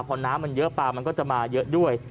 พอน้ำมันเยอะปลามันก็จะมาเยอะด้วย